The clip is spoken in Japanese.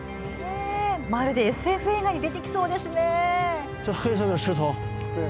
まるでＳＦ映画に出てきそうですね。